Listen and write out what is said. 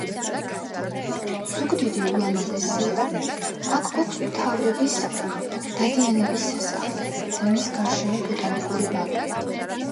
ზუგდიდი ულამაზესია. აქ გვაქვს მთავრების- დადიანების სასახლე და მის გარშემო ბოტანიკური ბაღები.